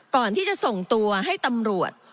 ก่อนที่จะส่งตัวให้ตำรวจ